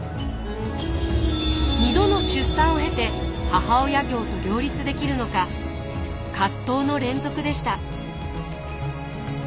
２度の出産を経て母親業と両立できるのか葛藤の連続でした。